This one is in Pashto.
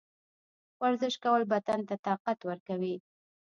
ورزش کول بدن ته طاقت ورکوي.